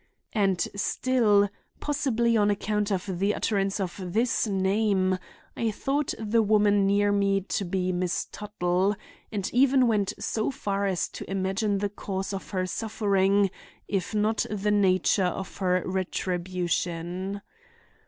And still, possibly on account of the utterance of this name, I thought the woman near me to be Miss Tuttle, and even went so far as to imagine the cause of her suffering if not the nature of her retribution.